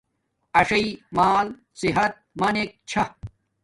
اݽی مال صحت مندیگ چھا